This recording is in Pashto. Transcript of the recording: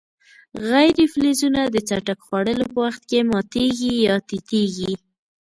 غیر فلزونه د څټک خوړلو په وخت کې ماتیږي یا تیتیږي.